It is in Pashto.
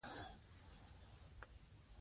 د سلما بند د برېښنا سرچینه ده.